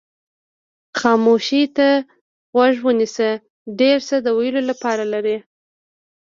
خاموشۍ ته غوږ ونیسئ ډېر څه د ویلو لپاره لري.